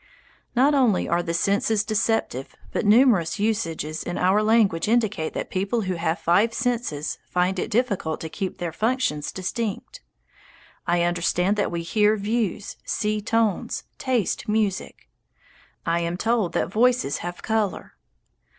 Not only are the senses deceptive, but numerous usages in our language indicate that people who have five senses find it difficult to keep their functions distinct. I understand that we hear views, see tones, taste music. I am told that voices have colour.